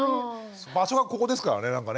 場所がここですからねなんかね。